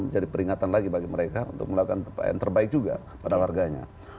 menjadi peringatan lagi bagi mereka untuk melakukan yang terbaik juga pada warganya